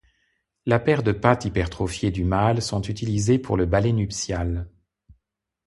La paire de pattes hypertrophiées du mâle sont utilisées pour le ballet nuptial.